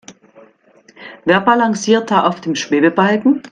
Wer balanciert da auf dem Schwebebalken?